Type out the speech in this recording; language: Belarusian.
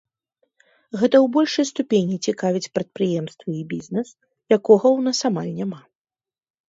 Гэта ў большай ступені цікавіць прадпрыемствы і бізнес, якога ў нас амаль няма.